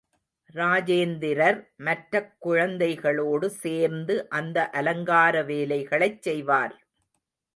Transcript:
ராஜேந்திரர் மற்றக் குழந்தைகளோடு சேர்ந்து இந்த அலங்கார வேலைகளைச் செய்வார்.